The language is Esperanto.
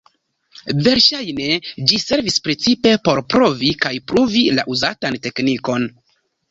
Verŝajne ĝi servis precipe por provi kaj pruvi la uzatan teknikon.